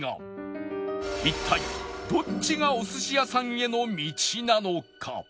一体どっちがお寿司屋さんへの道なのか？